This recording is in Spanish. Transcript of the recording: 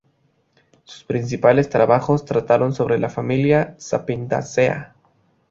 Sus principales trabajos trataron sobre la familia "Sapindaceae".